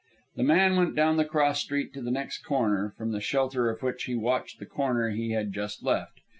The man went down the cross street to the next corner, from the shelter of which he watched the corner he had just left.